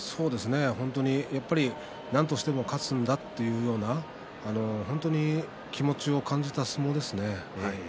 やっぱりなんとしても勝つんだというような本当に気持ちを感じた相撲ですね。